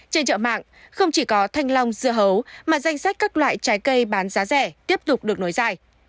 trên chợ mạng không chỉ có thanh long dưa hấu mà danh sách các loại trái cây bán giá rẻ tiếp tục được nối dài